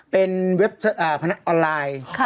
เป็นเว็บพนันออนไลน์